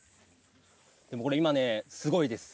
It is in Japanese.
これ今ねすごいです。